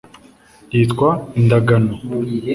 Yitwa indagano.